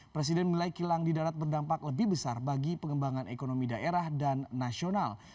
presiden menilai kilang di darat berdampak lebih besar bagi pengembangan ekonomi daerah dan nasional